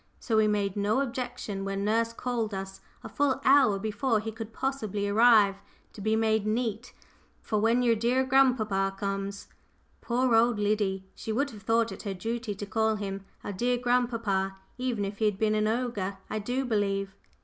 So we made no objection when nurse called us a full hour before he could possibly arrive, "to be made neat against your dear grandpapa comes." Poor old Liddy she would have thought it her duty to call him our dear grandpapa even if he had been an ogre, I do believe!